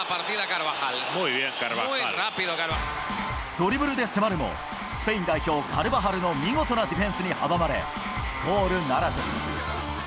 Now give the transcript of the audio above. ドリブルで迫るも、スペイン代表、カルバハルの見事なディフェンスに阻まれ、ゴールならず。